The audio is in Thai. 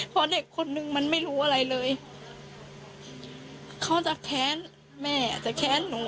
เพราะเด็กคนนึงมันไม่รู้อะไรเลยเขาจะแค้นแม่อาจจะแค้นหนู